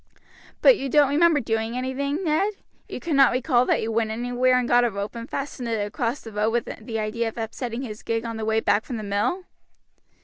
"But you don't remember doing anything, Ned? You cannot recall that you went anywhere and got a rope and fastened it across the road with the idea of upsetting his gig on the way back from the mill?"